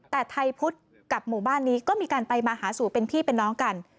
แต่ไทยพุทธกับหมู่บ้านนี้ก็มีการไปมาหาสู่เป็นพี่เป็นน้องกัน